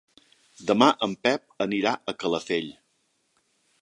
Demà en Pep anirà a Calafell.